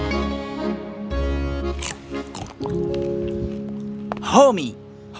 kisah yang benar benar inspiratif